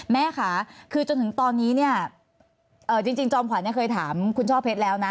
แม่ค่ะคือจนถึงตอนนี้เนี้ยเอ่อจริงจริงจอมขวัญเนี้ยเคยถามคุณช่อเพชรแล้วน่ะ